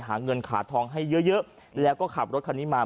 เอาของเงินขาดทองให้เยอะแล้วก็ขับรถคันนี้มา